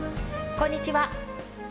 こんにちは。